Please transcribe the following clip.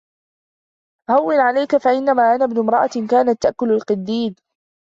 هَوِّنْ عَلَيْك فَإِنَّمَا أَنَا ابْنُ امْرَأَةٍ كَانَتْ تَأْكُلُ الْقَدِيدَ